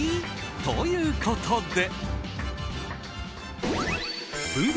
ということで。